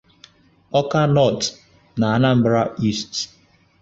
'Awka North' na 'Anambra East'